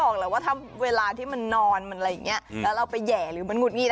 จะตั้งทำเวลาที่มันนอนอย่างนี้แล้วเราไปแห่หรือมันงดหญิด